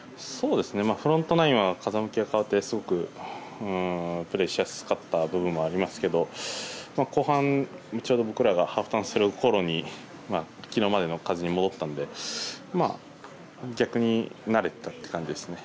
フロントナインは風向きが変わってすごくプレーしやすかった部分はありますけど後半、ちょうど僕らがハーフターンするくらいに今までの風に戻ったんで逆に慣れていたという感じです。